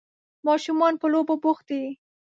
ماشومان په لوبو بوخت دي.